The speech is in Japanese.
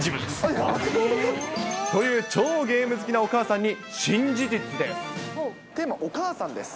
という超ゲーム好きなお母さんに、新事実です。